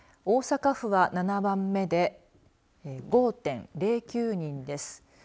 大阪府は、７番目で５．０９人です。